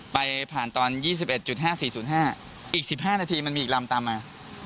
ไปผ่านตอนยี่สิบเอ็ดจุดห้าสี่ศูนย์ห้าอีกสิบห้านาทีมันมีอีกลำตามมา